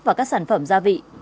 và các sản phẩm gia vị